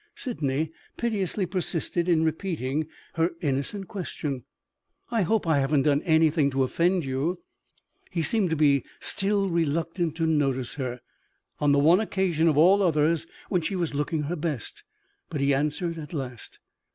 Sydney piteously persisted in repeating her innocent question: "I hope I haven't done anything to offend you?" He seemed to be still reluctant to notice her on the one occasion of all others when she was looking her best! But he answered at last.